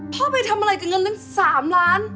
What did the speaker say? พ่อไปทำอะไรกับเงินนั้น๓ล้าน